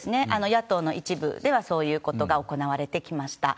野党の一部ではそういうことが行われてきました。